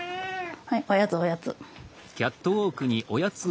はいおやつおやつ。